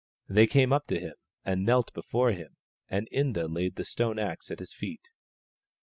They came up to him and knelt before him and Inda laid the stone axe at his feet.